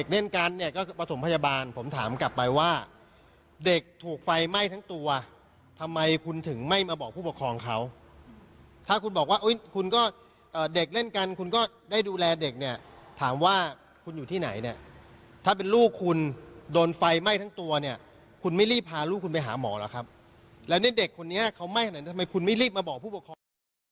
แล้วนี่เด็กคนนี้เขาไหม้หน่อยทำไมคุณไม่รีบมาบอกผู้ปกครอง